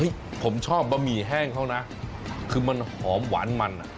ผมชอบบะหมี่แห้งเขานะคือมันหอมหวานมันอ่ะ